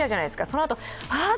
そのあと、あっ！